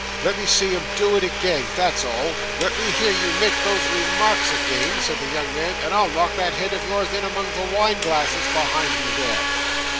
'Let me see him do it again. That's all.' 'Let me hear you make those remarks again,' said the young man, 'and I'll knock that head of yours in among the wine glasses behind you there.